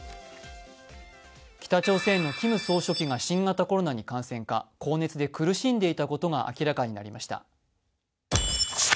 北朝鮮のキム総書記が新型コロナに感染か、高熱で苦しんでいたことが明らかになりました。